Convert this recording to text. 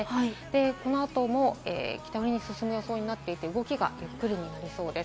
このあとも北寄りに進む予想で、動きがゆっくりになりそうです。